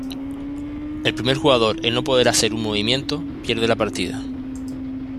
El primer jugador en no poder hacer un movimiento pierde la partida.